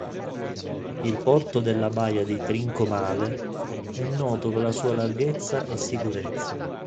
Il porto della Baia di Trincomalee è noto per la sua larghezza e sicurezza.